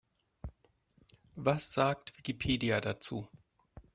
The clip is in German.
Was sagt Wikipedia dazu?